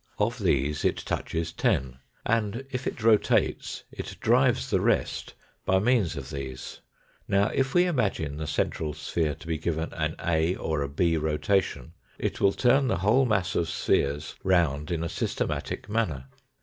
Of these it touches ten, and, if it rotates, it drives the rest by means of these. Now, if we imagine the central sphere to be given an A or a B rotation, it will turn the whole mass of sphere round in a systematic manner.